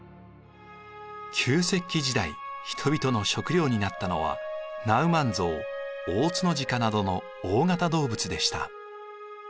旧石器時代人々の食料になったのはナウマンゾウオオツノジカなどの大型動物でした。